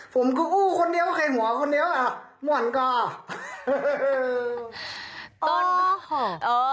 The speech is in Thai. ผมก็อู้คนเดียวแข่งหัวคนเดียวอ่ะหวั่นก็